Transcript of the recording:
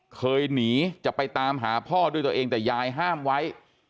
เคยหนีจะไปตามหาพ่อด้วยตัวเองแต่ยายห้ามไว้